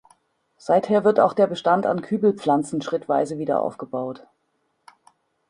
Seither wird auch der Bestand an Kübelpflanzen schrittweise wieder aufgebaut.